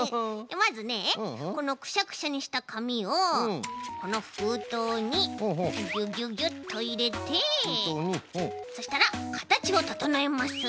まずねこのくしゃくしゃにしたかみをこのふうとうにギュギュギュッといれてそしたらかたちをととのえます。